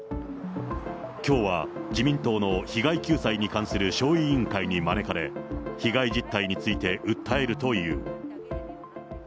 きょうは自民党の被害救済に関する小委員会に招かれ、被害実態について訴えるという。